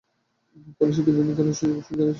কলেজটিতে বিভিন্ন ধরনের সুযোগ সুবিধা রয়েছে।